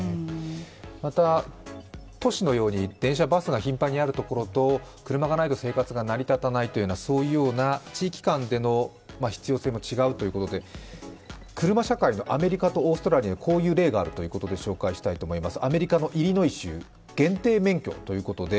また、都市のように電車、バスが頻繁にあるところと車がないと生活が成り立たないというような地域間での必要性も違うということで車社会の、アメリカとオーストラリアにこういう例があるということで紹介したいと思います。